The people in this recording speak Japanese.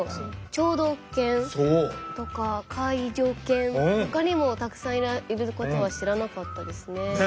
聴導犬とか介助犬ほかにもたくさんいることは知らなかったですね。